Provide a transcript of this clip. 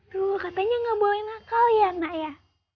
tuh katanya gak boleh nakal ya nak ya